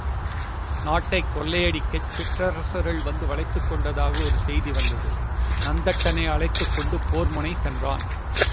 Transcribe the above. நாட்டைக் கொள்ளையடிக்கச் சிற்றரசர் வந்து வளைத்துக் கொண்டதாக ஒரு செய்தி வந்தது நந்தட்டனை அழைத்துக்கொண்டு போர்முனை சென்றான்.